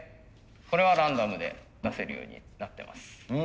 これはランダムで出せるようになってます。